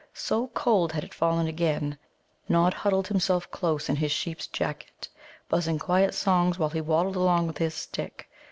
So cold had it fallen again, Nod huddled himself close in his sheep's jacket, buzzing quiet songs while he waddled along with his stick.